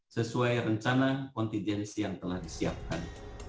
sesuai rencana kontijensi yang telah disiapkan